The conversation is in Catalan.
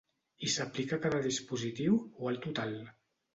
I s'aplica a cada dispositiu o al total?